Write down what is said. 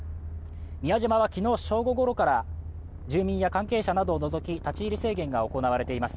宮島は昨日正午ごろから住民や関係者などを除き立ち入り制限が行われています。